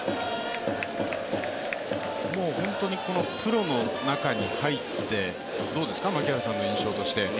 プロの中に入って、どうですか、槙原さんの印象として。